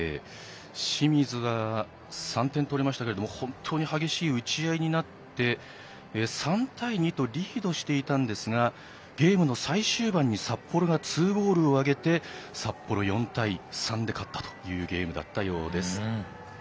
清水は３点を取りましたが本当に激しい打ち合いになって３対２とリードしていたんですがゲームの最終盤に札幌が２ゴールを挙げて札幌が４対３で勝ったというゲームだったようです。